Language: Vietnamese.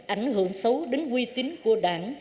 ảnh hưởng xấu đến quy tín của đảng